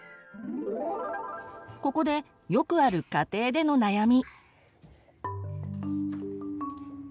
ここでよくある家庭での悩み。